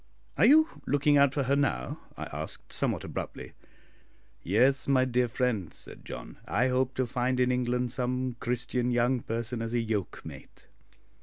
"Are you looking out for her now?" I asked, somewhat abruptly. "Yes, my dear friend," said John; "I hope to find in England some Christian young person as a yoke mate."